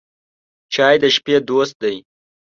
چای د شپې دوست دی.